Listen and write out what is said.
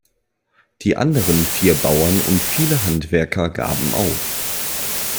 Die anderen vier Bauern und viele Handwerker gaben auf.